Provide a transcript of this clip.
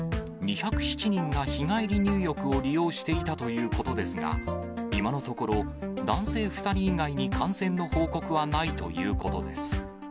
２０７人が日帰り入浴を利用していたということですが、今のところ、男性２人以外に感染の報告はないということです。